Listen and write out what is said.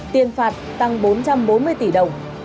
tiền phạt tăng bốn trăm bốn mươi tỷ đồng